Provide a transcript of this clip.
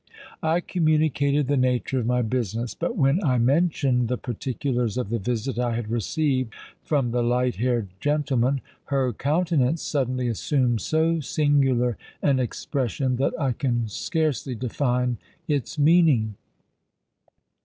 I communicated the nature of my business; but when I mentioned the particulars of the visit I had received from the light haired gentleman, her countenance suddenly assumed so singular an expression that I can scarcely define its meaning.